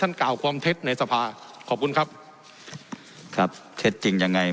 กล่าวความเท็จในสภาขอบคุณครับครับเท็จจริงยังไง